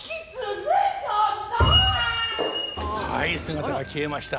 はい姿が消えました。